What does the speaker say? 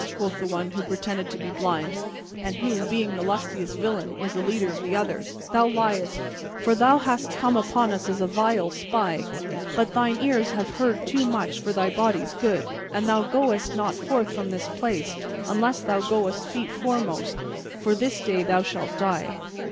quoth the one who pretended to be blind and who, being the lustiest villain, was the leader of the others, "thou liest! For thou hast come among us as a vile spy. But thine ears have heard too much for thy body's good, and thou goest not forth from this place unless thou goest feet foremost, for this day thou shalt die!